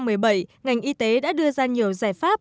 năm hai nghìn một mươi bảy ngành y tế đã đưa ra nhiều giải pháp